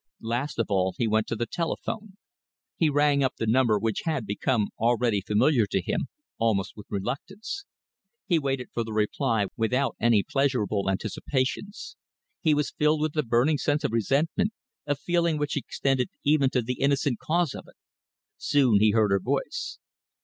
Last of all he went to the telephone. He rang up the number which had become already familiar to him, almost with reluctance. He waited for the reply without any pleasurable anticipations. He was filled with a burning sense of resentment, a feeling which extended even to the innocent cause of it. Soon he heard her voice.